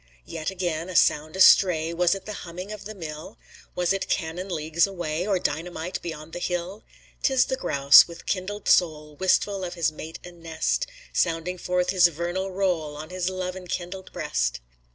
Yet again, a sound astray, Was it the humming of the mill? Was it cannon leagues away? Or dynamite beyond the hill? 'T is the grouse with kindled soul, Wistful of his mate and nest, Sounding forth his vernal roll On his love enkindled breast.